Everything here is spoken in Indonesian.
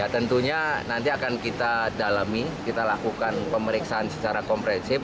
tentunya nanti akan kita dalami kita lakukan pemeriksaan secara komprehensif